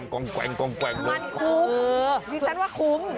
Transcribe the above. มันคุ้มฉันว่าคุ้ม